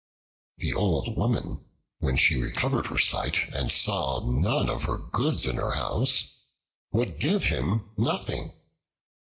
The Old Woman, when she recovered her sight and saw none of her goods in her house, would give him nothing.